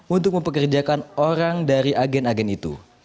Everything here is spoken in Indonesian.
untuk mempekerjakan orang dari agen agen itu